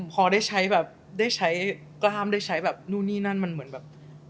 พอได้ใช้แบบได้ใช้กล้ามได้ใช้แบบนู่นนี่นั่นมันเหมือนแบบ